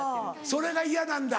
それが嫌なんだ。